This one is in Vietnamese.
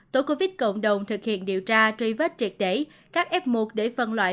tổ covid cộng đồng thực hiện điều tra truy vết triệt để các f một để phân loại